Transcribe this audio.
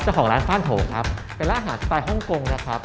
เจ้าของร้านฟ่านโถงครับเป็นร้านอาหารสไตล์ฮ่องกงนะครับ